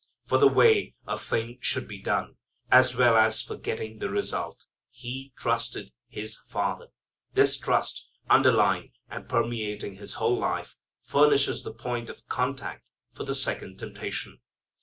For the way a thing should be done, as well as for getting the result, He trusted His Father. This trust, underlying and permeating His whole life, furnishes the point of contact for the second temptation.